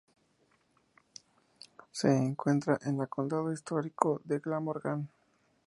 Se encuentra en la condado histórico de Glamorgan.